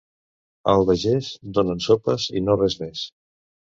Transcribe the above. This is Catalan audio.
A Albagés donen sopes i no res més.